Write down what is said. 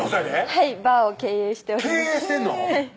はいバーを経営しております経営してんの？